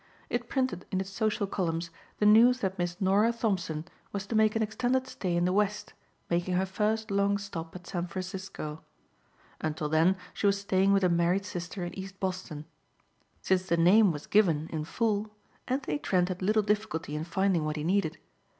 It printed in its social columns the news that Miss Norah Thompson was to make an extended stay in the West, making her first long stop at San Francisco. Until then she was staying with a married sister in East Boston. Since the name was given in full Anthony Trent had little difficulty in finding what he needed.